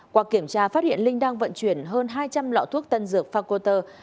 qua kiểm tra phát hiện linh đang vận chuyển hơn hai trăm linh lọ thuốc tân dược fakoter